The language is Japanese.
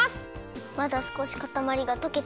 まだすこしかたまりがとけてないよ。